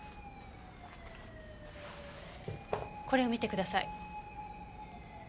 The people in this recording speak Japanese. これを見てください。